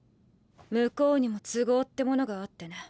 向こうにも都合ってものがあってね。